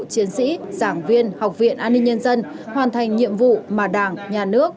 chiến sĩ giảng viên học viện an ninh nhân dân hoàn thành nhiệm vụ mà đảng nhà nước